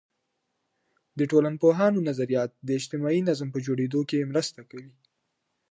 د ټولنپوهانو نظریات د اجتماعي نظم په جوړیدو کي مرسته کوي.